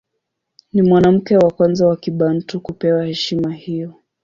Ni mwanamke wa kwanza wa Kibantu kupewa heshima hiyo.